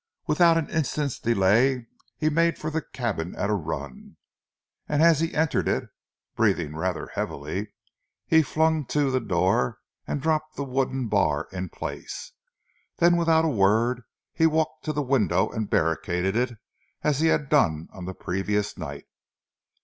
Without an instant's delay he made for the cabin at a run, and as he entered it, breathing rather heavily, he flung to the door and dropped the wooden bar in place. Then without a word he walked to the window and barricaded it as he had done on the previous night.